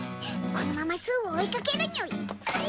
このまますうを追いかけるにゅい。